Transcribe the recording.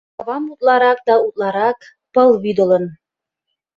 Кавам утларак да утларак пыл вӱдылын.